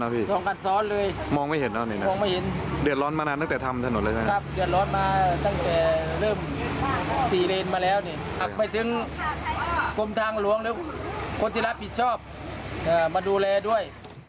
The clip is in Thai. ไปดูแลด้วย